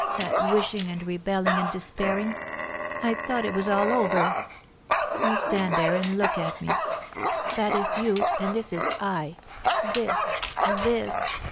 That wishing and rebelling and despairing! I thought it was all over. You stand there and look at me; that is you and this is I, this, this!